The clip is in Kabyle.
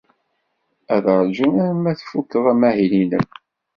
Ad ṛjun arma tfuked amahil-nnem.